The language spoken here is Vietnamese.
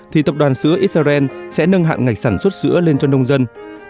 thì tập đoàn sữa israel sẽ nâng hạn ngạch sản xuất sữa lên cho nông dân